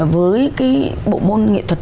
với cái bộ môn nghệ thuật